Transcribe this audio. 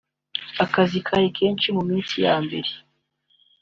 Akazi kari kenshi mu minsi ya mbere